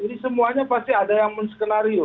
ini semuanya pasti ada yang men skenario